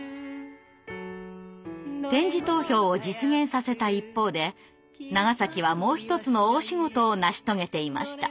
点字投票を実現させた一方で長はもう一つの大仕事を成し遂げていました。